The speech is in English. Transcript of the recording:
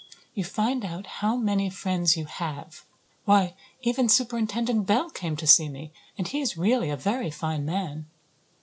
You find out how many friends you have. Why, even Superintendent Bell came to see me, and he's really a very fine man.